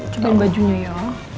cobain bajunya ya